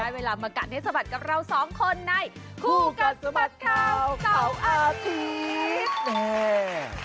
เวลามากัดให้สะบัดกับเราสองคนในคู่กัดสะบัดข่าวเสาร์อาทิตย์